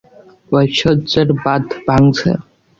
ঐশ্বর্যের বাঁধ ভাঙছে।